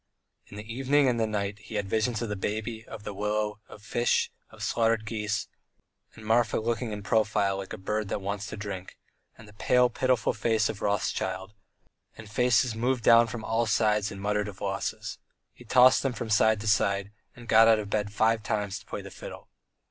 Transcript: In the evening and the night he had visions of the baby, of the willow, of fish, of slaughtered geese, and Marfa looking in profile like a bird that wants to drink, and the pale, pitiful face of Rothschild, and faces moved down from all sides and muttered of losses. He tossed from side to side, and got out of bed five times to play the fiddle.